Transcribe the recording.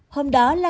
hôm đó là